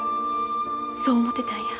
そう思うてたんや。